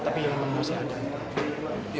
tapi memang masih ada